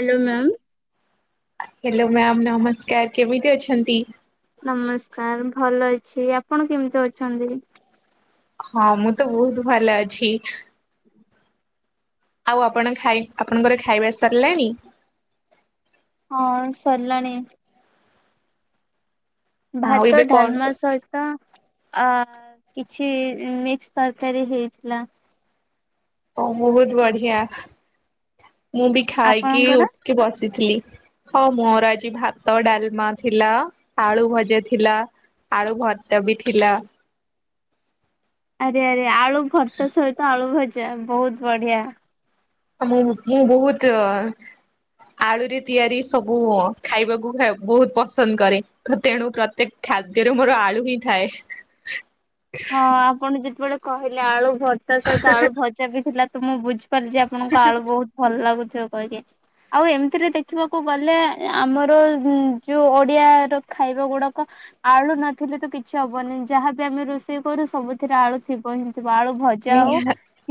Hello ma'am. Hello ma'am ନମସ୍କାର କେମିତି ଅଛନ୍ତି? ନମସ୍କାର ଭଲ ଅଛି ଆପଣ କେମିତି ଅଛନ୍ତି? ହଁ ମୁଁ ତ ବହୁତ ଭଲ ଅଛି। ଆଉ ଆପଣ ଖାଇ ଆପଣଙ୍କର ଖାଇବା ସାରିଲାଣିି? ହଁ ସରିଲଣି। ଭାତ ଢାଲମାସହି ତ ଅ କିଛି ମିକ୍ସ ତରକାରୀ ହେଇଥିଲା। ହ ବହୁତ ବଢିଆ ମୁଁ ବି ଖାଇକି ଉଠିକି ବସିଥିଲି। ହଁ ମୋର ଆଜି ଭାତ ଡାଲମା ଥିଲା ଆଳୁ ଭଜା ଥିଲା ଆଳୁ ଭର୍ତା ବି ଥିଲା। ଆରେ ଆରେ ଆଳୁ ଭର୍ତା ସହିତ ଆଳୁ ଭଜା ବହୁତ ବଢିଆ। ମୁଁ ମୁଁ ବହୁତ ଆଳୁରେ ତିଆରି ସବୁ ଖାଇବାକୁ ବହୁତ ପସନ୍ଦ କରେ ତେଣୁ ପ୍ରତ୍ୟେକ ଖାଦ୍ୟରେ ମୋର ଆଳୁ ହିଁ ଥାଏ। ହଁ ଆପଣ ଯେତେବେଳେ କହିଲେ ଆଳୁ ଭାର୍ତା ସହିତ ଆଳୁ ଭଜା ବି ଥିଲା। ତୁ ମୁଁ ବୁଝ ପାରୁଚି ଆପଣଙ୍କୁ ଆଳୁ ବହୁତ ଭଲ ଲାଗୁ ଥିବ କହିକି ଆଉ ଏମତିରେ ଦେଖିବାକୁ ଗଲେ ଆମର ଯୋଉ ଓଡିଆ ର ଖାଇବା ଗୁଡାକ ଆଳୁ ନଥିଲେ ତ କିଛି ହବନି ଯାହାବି ଆମେ ରୋ ଷେଇ କରୁ ସବୁଥିରେ ଆଳୁଥିବ ହି ଥିବ ଆଳୁ ଭଜା ହଉ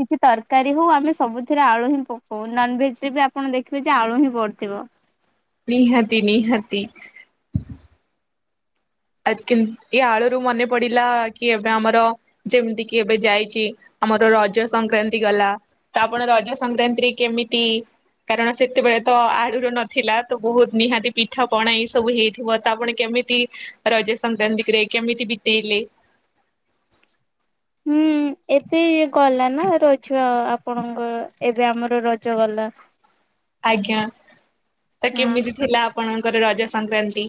କିଛି ତର କାରୀ ହଉ ଆମେ ସବୁଥିରେ ଆଳୁ ହିଁ ପକଉ ନନଭେଜରେ ବି ଆପଣ ଦେଖିବେ ଯେ ଆଳୁ ହିଁ ପଡ଼ିଥିବ। ନିହାତି ନିହାତି। [unintelligible] ଆଳୁରୁ ମନେ ପଡିଲା କି ଏବେ ଆମର ଯେମିତି କିି ଏବେ ଯାଇଚି ଆମର ରଜ ସଂକ୍ରାନ୍ତି ଗଲା ତ ଆପଣ ରଜ ସଂକ୍ରାନ୍ତିରେ କେମିତି କାରଣ ସେତେବେଳେ ତ ଆଳୁରୁ ନଥିଲା ତ ବହୁତ ନିହାତି ପିଠା ପଣା ଏ ସବୁ ହେଇଥିବ ତ ଆପଣ କେମିତି? ରାଜ ସଂକ୍ରାନ୍ତି ରେ କେମିତି ବିତେଇଲେ? ହୁଁ ଏବେ ଗଲା ନା ରଜ ଆପଣଙ୍କ ଏବେ ଆମର ରଜ ଗଲା। ଆଜ୍ଞା ତ କେମିତି ଥିଲା ଆପଣଙ୍କର ରଜ ସଂକ୍ରାନ୍ତି।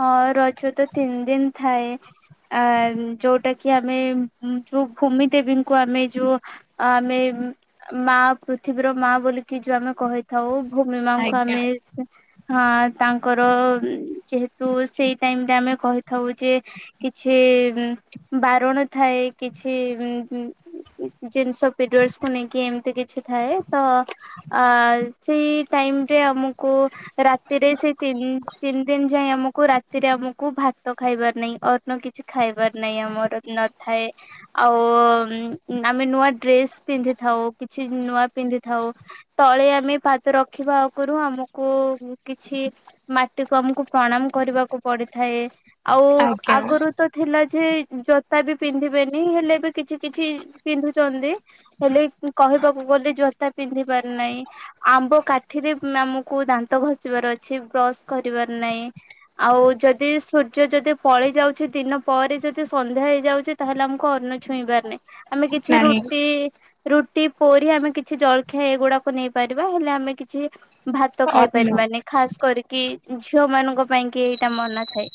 ହଁ ରଜ ତ ତିନି ଦିନ ଥାଏ ଆ ଯୋଉଟା କି ଆମେ ଯୋଉ ଭୂମି ଦେବୀଙ୍କୁ ଆମେ ଯୋଉ ଆମେ ମା ପୃଥିବୀର ମା ବୋଲିକି ଯୋଉ ଆମେ କହିଥାଉ। ଭୂମି ମାଙ୍କୁୁ ଆମେ ହଁ ତାଙ୍କର ଯେହେତୁ ସେଇ ଟାଇମ ରେ ଆମେ କହିଥାଉ ଯେ କିଛି ବାରଣ ଥାଏ କିଛି ଜିନିଷ ପିରିଅଡସ୍ କୁ ନେଇକି ଏମିତି କିଛି ଥାଏ ତ ସେଇ ଟାଇମରେ ଆମକୁ ରାତିରେ ସେଇ ତିନ୍ ତିନ୍ ଦିନ ଯାଏ ଆମକୁ ରାତିରେ ଆମକୁ ଭାତ ଖାଇବାର ନାଇଁ ଅନ୍ନ କିଛି ଖାଇବାର ନାଇଁ ଆମର ନଥାଏ ଆଉ ଆମେ ନୂଆ ଡ୍ରେସ୍ ପିନ୍ଧି ଥାଉ କିଛି ନୂଆ ପିନ୍ଧି ଥାଉ ତଳେ ଆମେ ପାଦ ରଖିବା ଆଗରୁ ଆମକୁ କିଛି ମାଟି ଆମକୁ ପ୍ରଣାମ କରିବାକୁ ପଡିଥାଏ। ଆଉ ଆଗରୁ ତ ଥିଲା ସେ ଜୋତା ବି ପିନ୍ଧିବେନି ହେଲେ ବି କିଛି କିଛି ପିନ୍ଧୁଚନ୍ତି ହେଲେ କହିବାକୁ ଗଲେ ଜୋତା ପିନ୍ଧିପାର ନାଇଁ ଆମ୍ବ କାଠିରେ ଆମକୁ ଦାନ୍ତ ଘଷିବାର ଅଛି ବ୍ରସ୍ କରିବାର ନାଇଁ ଆଉ ଯଦି ସୂର୍ଯ୍ୟ ଯଦି ପଳେଇ ଯାଉଛି ଦିନ ପରେ ଯଦି ସନ୍ଧ୍ୟା ହେଇଯାଉଛି ତାହେଲେ ଆମକୁ ଅନ୍ନ ଛୁଇଁବାର ନାଇଁ। ଆମେ କିଛି ରୁଟି ରୁଟି ପୁରୀ ଆମେ କିଛି ଜଳଖିଆ ଏଇଗୁଡାକୁ ନେଇପାରିବା ହେଲେ ଆମେ କିଛି ଭାତ ଖାଇପାରବା ନାଇଁ ଖାସ୍ କରି କି ଝିଅ ମାନଙ୍କ ପାଇଁ କି ଏଇଟା ମନା ଥାଏ।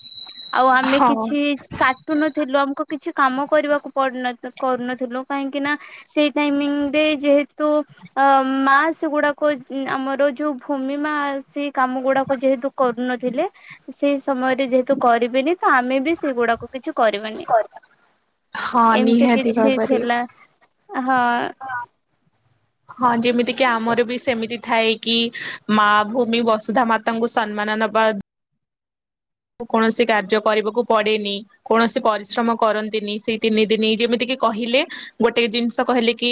ଆଉ ଆମେ କିଛି କାର୍ଟୁନ ଥିଲୁ ଆମକୁ କିଛି କାମ କରିବାକୁ ପଡୁନ କରୁନଥୁଲୁ କାହିଁକି ନା ସେଇ ଟାଇମିଂରେ ଯେହେତୁ ମା ସେଗୁଡାକ ଆମର ଯୋଉ ଭୂମି ମା ସେ କାମ ଗୁଡା ଯେହେତୁ କରୁନଥିଲେ ସେଇ ସମୟରେ ଯେହେତୁ କରିବେନି ତ ଆମେ ବି ସେଇଗୁଡାକୁ କିଛି କରିବୁନି। ହଁ ନିହାତି ଭାବରେ। ହଁ। ହଁ ଯେମିତି କି ଆମର ବି ସେମିତି। ଥାଏ କିି ମା ଭୂମି ବସୁଧା ମାତାଙ୍କୁ ସମ୍ମାନ ନବା। କୌଣସି କାର୍ଯ୍ୟ କରିବାକୁ ପଡେନି କୌଣସି ପରିଶ୍ରମ କରନ୍ତିନି ସେଇ ତିନି ଦିନି ଯେମିତି କିି କହିଲେ ଗୋଟେ ଜିନିଷ କହିଲେ କି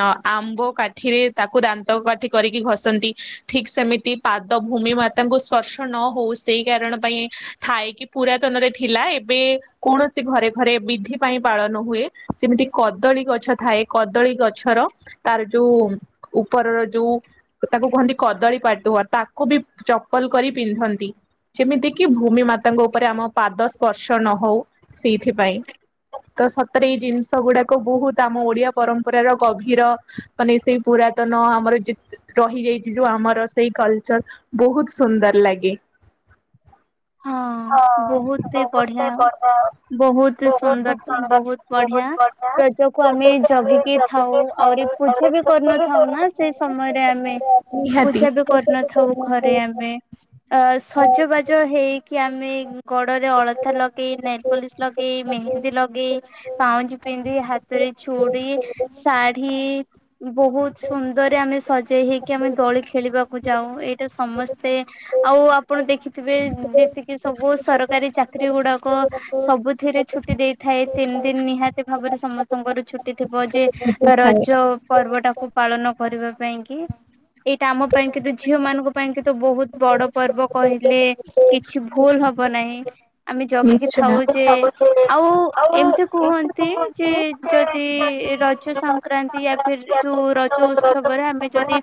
ଅ ଆମ୍ବ କାଠିରେ ତାକୁ ଦାନ୍ତ କାଠି କରିକି ଘଷନ୍ତି ଠିକ ସେମିତି ପାଦ ଭୂମି ମାତାଙ୍କୁ ସ୍ପର୍ଶ ନ ହଉ ସେଇ କାରଣ ପାଇଁ ଥାଏ କିି ପୁରାତନରେ ଥିଲା ଏବେ କୌଣସି ଘରେ ଘରେ ବିଧି ପାଇଁ ପାଳନ ହୁଏ ଯେମିତି କଦଳୀ ଗଛ ଥାଏ କଦଳୀ ଗଛର ତାର ଯୋଉ ଉପରର ଯୋଉ ତାକୁ କହନ୍ତି କଦଳୀ ପା ଟୁଆ ତାକୁ ବି ଚପଲ କରି ପିନ୍ଧନ୍ତି ଯେମିତି କି ଭୂମି ମାତାଙ୍କ ଉପରେ ଆମ ପାଦ ସ୍ପର୍ଶ ନ ହଉ ସେଇଥିପାଇଁ ତ ସତରେ ଏଇ ଜିନିଷ ଗୁଡାକ ବହୁତ ଆମ ଓଡିଆ ପରମ୍ପରାର ଗଭୀର ମାନେ ସେଇ ପୁରାତନ ଆମର ଯେ ରହିଯାଇଚି ଯୋଉ ଆମର ସେଇ କଲଚର ବହୁତ ସୁନ୍ଦର ଲାଗେ। ହଁ ବହୁତ ବଢିଆ ବହୁତ ସୁନ୍ଦର ବହୁତ ବଢିଆ ରଜକୁ ଆମେ ଜଗିକି ଥାଉ ଆହୁରି ପୂଜା ବି କରିନଥାଉ ନା ସେଇ ସମୟରେ ଆମେ ପୂଜା ବି କରିନଥାଉ ଘରେ ଆମେ ଅ ସଜବାଜ ହେଇକି ଆମେ ଗୋଡରେ ଅଳତା ଲଗେଇ ନାଇଲ ପଲିସ ଲଗେଇ ମେହେନ୍ଦୀ ଲଗେଇ ପାଉଁଜ ପିନ୍ଧି ହାତରେ ଚୁଡି ଶାଢୀ ବହୁତ ସୁନ୍ଦରରେ ଆମେ ସଜେଇ ହେଇକି ଆମେ ଦୋଳି ଖେଳିବାକୁ ଯାଉ ଏଇଟା ସମସ୍ତେ ଆଉ ଆପଣ ଦେଖିଥିବେ ଯେତିକି ସବୁ ସରକାରୀ ଚାକିରୀ ଗୁଡାକ ସବୁଥିରେ ଛୁଟି ଦେଇଥାଏ ତିନି ଦିନ ନିହାତି ଭାବରେ ସମସ୍ତଙ୍କର ଛୁଟି ଥିବ ଯେ ରଜ ପର୍ବ ଟାକୁ ପାଳନ କରିବା ପାଇଁ କି ଏଇଟା ଆମ ପାଇଁ କି ତ ଝିଅ ମାନଙ୍କ ପାଇଁ କି ତ ବହୁତ ବଡ ପର୍ବ କହିଲେ। କିଛି ଭୁଲ ହବ ନାହିଁ ଆମେ ଜଗିକି ଥାଉ ଯେ ଆଉ ଏମିତି କୁହନ୍ତି ଯେ ଯଦି ରଜ ସଂକ୍ରାନ୍ତି ୟା ଫ ଯୋଉ ରଜ ଉତ୍ସବରେ ଆମେ ଯଦି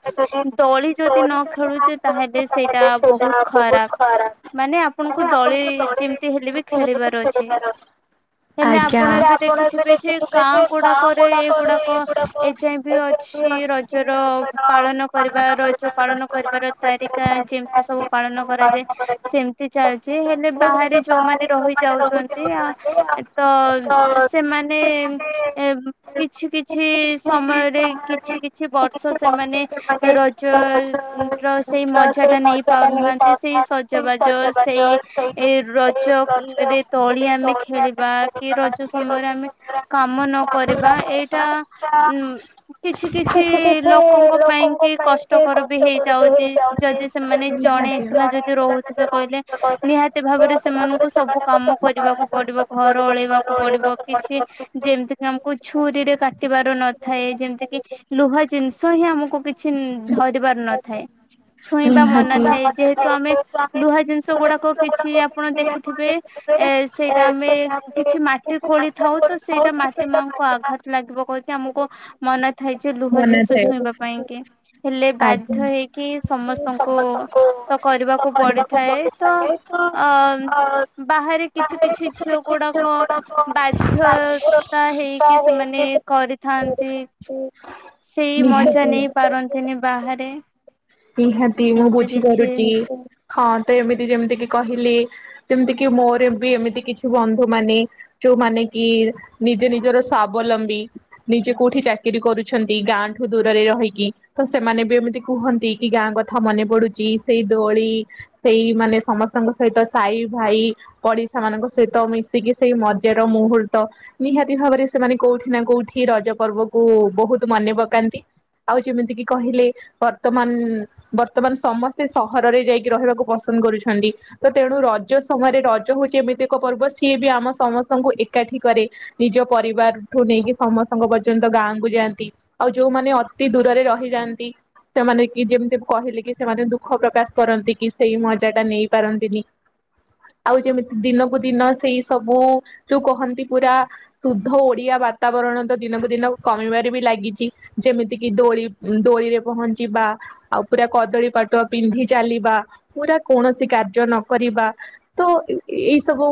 ଦଳି ଯଦି ନ ଖେଳୁଛେ ତାହେଲେ ସେଇଟା ବହୁତ ଖରାପ ମାନେ ଆପଣଙ୍କୁ ଦଳି ଯେମିତି ହେଲେ ବି ଖେଳିବାର ଅଛି ହେଲେ ଆପଣ ଏବେ ଦେଖିଥିବେ ଯେ ଗାଁ ଗୁଡାକରେ ଏଗୁଡାକ ଏ ଯାଏ ବି ଅଛି ରଜର ପାଳନ କରିବା ରଜ ପାଳନ କରିବାର ତାରିକା ଯେମିତି ସବୁ ପାଳନ କରାଯାଏ। ସେମିତି ଚାଲିଛି ହେଲେ ବାହାରେ ଯୋଉମାନେ ରହି ଯାଉଛନ୍ତି ଆ ତ ସେମାନେ କିଛି କିଛି ସମୟରେ କିଛି କିଛି ବର୍ଷ ସେମାନେ ରଜ ର ସେଇ ମଜା ଟା ନେଇ ପାରୁନାହାନ୍ତି ସେଇ ଜବ ର ସେଇ ରଜରେ ତଳି ଆମେ ଖେଳିବା କି ରଜ ସମୟରେ ଆମେ କାମ ନ କରିବା ଏଇଟା ଉ କିଛି କିଛି ଲୋକଙ୍କ ପାଇଁ କି କଷ୍ଟକର ବି ହେଇଯାଉଛି ଯଦି ସେମାନେ ଜଣେ ଏକଲା ଯଦି ରହୁ କହିଲେ ନିହାତି ଭାବରେ ସେମାନଙ୍କୁ ସବୁ କାମ କରିବାକୁ ପଡିବ ଘର ଅଳେଇବାକୁ ପଡିବ କିଛି ଯେମତି ଆମକୁ ଛୁରୀରେ କା ିବାର ନଥାଏ ଯେମିତି କି ଲୁହା ଜିନିଷ ହିଁ ଆମକୁ କିଛି ଧରିବାର ନଥାଏ। ଛୁଇଁବା ମନ ଥାଏ ଯେହେତୁ ଆମେ ଲୁହା ଜିନିଷ ଗୁଡାକ କିଛି ଆପଣ ଦେଖିଥିବେ ଏ ସେଇଟା ଆମେ କିଛି ମାଟି ଖୋଳି ଥାଉ ତ ସେଇଟା ମାଟି ମାଙ୍କୁ ଆଘାତ ଲାଗିବ କହୁଛି ଆମକୁ ମନା ଥାଇ ଯେ ଲୁହ ଜିନିଷ ଛୁଇଁବା ପାଇଁ କି ହେଲେ ବାଧ୍ୟ ହେଇକି ସମସ୍ତ ତଙ୍କୁ ତ କରିବାକୁ କୁ ପଡିଥାଏ ତ ଅ ବାହାରେ କିଛି କିଛି ଝିଅ ଗୁଡାକ ବାଧ୍ୟତା ହେଇକି ସେମାନେ କରିଥାନ୍ତି। ସେଇ ମଜା ନେଇ ପାରନ୍ତି। ଦିନେ ବାହାରେ ନିହାତି ମୁଁ ବୁଝିପାରୁଛି। ହଁ ତ ଏମିତି ଯେମିତି କି କହିଲି ଯେମିତି କି ମୋର ବି ଏମିତି କିଛି ବନ୍ଧୁ ମାନେ ଯୋଉମାନେ କି ନିଜେ ନିଜର ସଵାବଲମ୍ବୀ ନିଜେ କୋଉଠି ଚାକିରିୀ କରୁଛନ୍ତି ଗାଁ ଠୁ ଦୂରରେ ରହିକି ତ ସେମାନେ ବି ଏମିତି କୁହନ୍ତି। କି ଗାଁ କଥା ମନେ ପଡୁଛି ସେଇ ଦୋଳି ସେଇ ମାନେ ସମସ୍ତଙ୍କ ସହିତ ସାଇ ଭାଇ ପଡିଶାମାନଙ୍କ ସହିତ ମିଶିକି ସେଇ ମଜାର ମୁହୂର୍ତ୍ତ ନିହାତି ଭାବରେ ସେମାନେ କୋଉଠି ନା କୋଉଠି ରଜ ପର୍ବକୁ ବହୁତ ମନେ ପକାନ୍ତି ଆଉ ଯେମିତିକି କହିଲେ ବର୍ତ୍ତମାନ ବର୍ତ୍ତମାନ ସମସ୍ତେ ସହରରେ ଯାଇକି ରହିବାକୁ ପସନ୍ଦ କରୁଛନ୍ତି ତ ତେଣୁ ରଜ ସମୟରେ ରଜ ହଉଛି ଏମିତି ଏକ ପର୍ବ ସିଏ ବି ଆମ ସମସ୍ତଙ୍କୁ ଏକାଠି କରେ ନିଜ ପରିବାର ଠୁ ନେଇକି ସମସ୍ତଙ୍କ ପର୍ଯ୍ୟନ୍ତ ଗାଁକୁ ଯାଆନ୍ତି ଆଉ ଯୋଉମାନେ ଅତି ଦୂରରେ ରହିଯାଆନ୍ତି ସେମାନେ ଯେମିତି କହିଲେ କି ସେମାନେ ଦୁଃଖ ପ୍ରକାଶ କରନ୍ତି କି ସେଇ ମଜା ଟା ନେଇ ପାରନ୍ତିନି ଆଉ ଯେମିତି ଦିନକୁ ଦିନ ସେଇ ସବୁ ଯୋଉ କହନ୍ତି ପୁରା ଶୁଦ୍ଧ ଓଡିଆ ବାତାବରଣ ତ ଦିନକୁ ଦିନ କମିବାରେ ବି ଲାଗିଛି ଯେମିତିକି ଦୋଳି ଦୋଳିରେ ପହଞ୍ଚିବା। ଆଉ ପୁରା କଦଳୀ ପାଟୁଆ ପିନ୍ଧି ଚାଲିବା ପୁରା କୌଣସି କାର୍ଯ୍ୟ ନକ ତ ଏଇ ସବୁ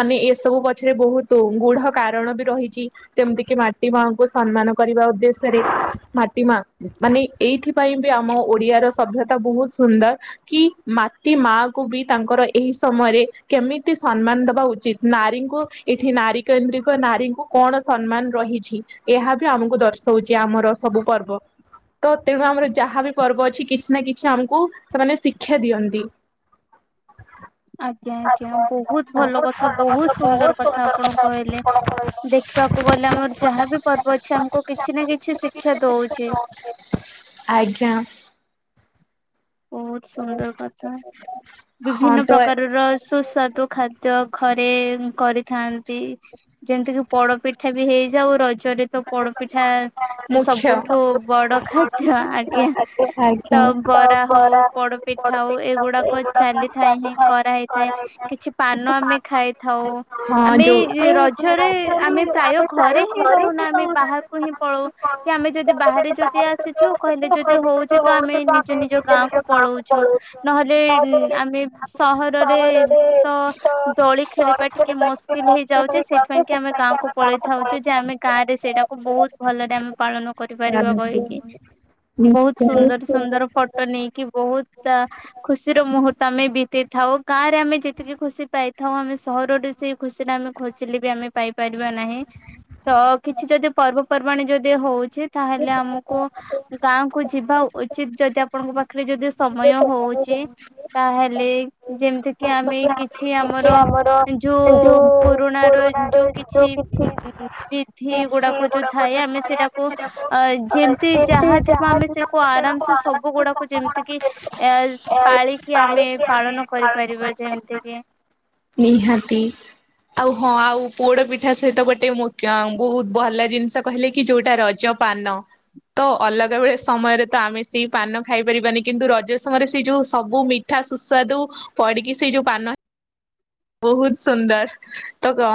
ମାନେ ଏସବୁ ପଛରେ ବହୁତ ଗୁଢ କାରଣ ବି ରହିଛି ଯେମିତି କିି ମାଟି ମାଙ୍କୁ ସମ୍ମାନ କରିବା ଉଦ୍ଦେଶ୍ୟରେ ମାଟି ମା ମାନେ ଏଇଥିପାଇଁ ମା କୁ ବି ତାଙ୍କର ଏହି ସମୟରେ କେମିତି ସମ୍ମାନ ଦବା ଉଚିତ ନାରୀଙ୍କୁ ଏଠି ନାରୀ କେେନ୍ଦ୍ରିକ ନାରୀଙ୍କୁ କଣ ସମ୍ମାନ ରହିଛି ଏହା ବି ଆମକୁ ଦର୍ଶଉଛି ଆମର ସବୁ ପର୍ବ ତ ତେଣୁ ଆମର ଯାହା ବି ପର୍ବ ଅଛି କିଛି ନା କିଛି ଆମକୁ ସେମାନେ ଶିକ୍ଷା ଦିଅନ୍ତି। ଆଜ୍ଞା ଆଜ୍ଞା ବହୁତ ଭଲ କଥା ବହୁତ ସୁନ୍ଦର କଥା ଆପଣ କହିଲେ ଦେଖିବାକୁ ଗଲେ ଆମର ଯାହା ବିି ପର୍ବ ଅଛି ଆମକୁ କିଛି ନା କିଛି ଶିକ୍ଷା ଦଉଛି। କ୍ଞ। ବହୁତ ସୁନ୍ଦର କଥା ବିଭିନ୍ନ ପ୍ରକାରର ସୁସ୍ୱାଦୁ ଖାଦ୍ୟ ଘରେ କରିଥାନ୍ତି ଯେମିତିକି ପୋଡପିଠା ବି ହେଇ ଯାଉ ର ଜ ରେ ତ ପୋଡପିଠା ସବୁଠୁ ବଡ ଖାଦ୍ୟ ଆଜ୍ଞା ତ ବ ହଉ ପୋଡପିଠା ହଉ ଏଇଗୁଡାକ ଚାଲିଥାଏ ହିଁ କରାହେଇଥାଏ କିଛି ପାନ ଆମେ ଖାଇଥାଉ। ହଁ ଯଉ ରଜ ରେ ଆମେ ପ୍ରାୟ ଘରେ ରହୁନା ପଳଉ କି ଆମେ ଯଦି ବାହାରେ ଯଦି ଆସିଛୁ କହିଲେ ଯଦି ହଉଛି ତ ଆମେ ନିଜ ଗାଁ କୁ ପଳଉଛୁ ନହେଲେ ଆମେ ସହରରେ ତ ଦୋଳି ଖେଳିବା ଟିକେ ମୁସ୍କିଲ୍ ହେଇଯାଉଛି। ସେଇଥିପାଇଁ କି ଆମେ ଗାଁ କ ପଳେଇଥାଉଛୁ ଯେ ଆମେ ଗାଁ ରେ ସେଇଟାକୁ ବହୁତ ଭଲରେ ଆମେ ପାଳନ କରିପାରିବା କହିକି। ନିଶ୍ଚୟ ଟ ନେଇକି ବହୁତ ଖୁସିର ମୁହୂର୍ତ୍ତ ଆମେ ବିତଥାଉ ଗାଁ ରେ ଆମେ ଯେତିକି ଖୁସି ପାଇଥାଉ ଆମେ ସହରରୁ ସେଇ ଖୁସିରେ ଆମେ ଖୋଜିଲେ ବି ଆମେ ପାଇପାରିବା ନାହିଁ। ତ କିଛି ଯଦି ପର୍ବପର୍ବାଣି ଯଦି ହଉଛି ତାହେଲେ ଆମକୁ ଗାଁ କୁ ଯିବା ଉଚିତ। ଯଦି ଆପଣଙ୍କ ପାଖରେ ଯଦି ସମୟ ହଉଛି ତାହେଲେ ଯେମିତି କିି ଆମେ କିଛି ଆମର ଯୋଉ ପୁରୁଣା ର ଯଉ କିଛି ବିଧି ଗୁଡା ଖୋଜୁ ଥାଏ ଆମେ ସେଟାକୁ ଅ ଯେ ତି ଯାହା ଥିବା ଆମେ ସେକୁ ଆରାମ ସେ ସବୁ ଗୁଡାକୁ ଯେମିତିକି ଏ ପାଳିକି ଆମେ ପାଳନ କରିପାରିବା ଯେମିତି କିି? ନିହାତି ଆଉ ହଁ ଆଉ ପୋଡ ପିଠା ସହିତ ଗୋଟେ ମୁ୍ଖ୍ୟା ବହୁତ ଭଲ ଜିନିଷ କହିଲେ କି ଯୋଉଟା ରଜ ପାନ ତ ଅଲଗା ବେଳେ ସମୟରେ ତ ଆମେ ସେଇ ପାନ ଖାଇପାରିବାନି କିନ୍ତୁ ରଜ ସମୟରେ ସେଇ ଯୋଉ ସବୁ ମିଠା ସୁସ୍ୱାଦୁ ପଡିକି ସେଇ ଯୋଉ ପାନ ବହୁତ ସୁନ୍ଦର ତ କ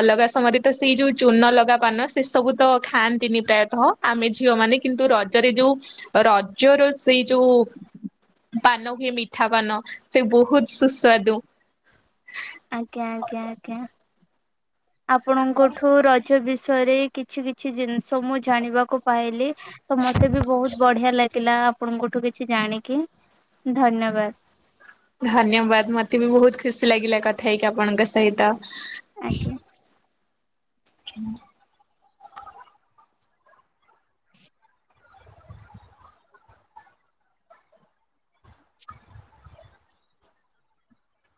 ଅଲଗା ସମୟରେ ତ ସେଇ ଯୋଉ ଚୂନଲଗା ପାନ ସେ ସବୁ ତ ଖାଆନ୍ତିନି ପ୍ରାୟତଃ ଆମେ ଝିଅ ମାନେ କିନ୍ତୁ ରଜରେ ଯୋଉ ରଜର ସେଇ ଯୋଉ ପାନ ହୁଏ ମିଠା ପାନ ସେ ବହୁତ ସୁସ୍ୱାଦୁ। ଆପଣଙ୍କଠୁ ରଜ ବିଶ ଷରେ କିଛି କିଛି ଜିନିଷ ମୁଁ ଜାଣିବାକୁ ପାଇଲି। ତ ମତେ ବି ବହୁତ ବଢିଆ ଲାଗିଲା। ଆପଣଙ୍କଠୁ କିଛି ଜାଣିକି ଧନ୍ୟବାଦ। ଧନ୍ୟବାଦ ମତେ ବି ବହୁତ ଖୁସି ଲାଗିଲା କଥା ହେଇକି ଆପଣଙ୍କ ସହିତ। ଆଜ୍ଞା।